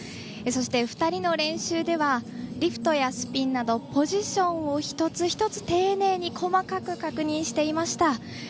そして、２人の練習ではリフトやスピンなどポジションを一つ一つ丁寧に細かく確認していました。